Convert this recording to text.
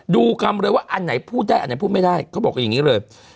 ดูคำเลยว่าอันไหนพูดได้อันไหนพูดไม่ได้เขาบอกอย่างนี้เลย